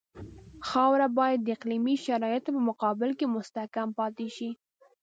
خاوره باید د اقلیمي شرایطو په مقابل کې مستحکم پاتې شي